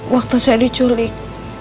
waktu saya diculik